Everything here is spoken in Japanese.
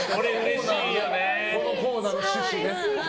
このコーナーの主旨ね。